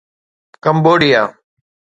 Cambodia